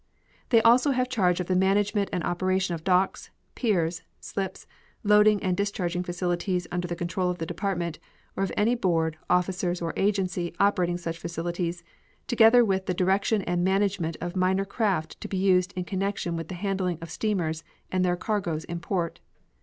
They also have charge of the management and operation of docks, piers, slips, loading and discharging facilities under the control of the department, or of any board, officers, or agency operating such facilities, together with the direction and management of minor craft to be used in connection with the handling of steamers and their cargoes in port.